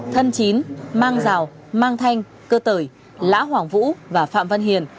thân chín mang giào mang thanh cơ tởi lã hoàng vũ và phạm văn hiền